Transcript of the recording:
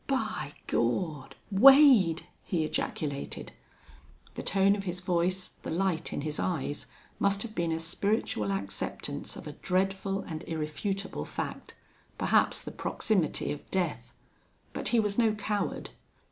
"By Gawd!... Wade!" he ejaculated. The tone of his voice, the light in his eyes, must have been a spiritual acceptance of a dreadful and irrefutable fact perhaps the proximity of death. But he was no coward.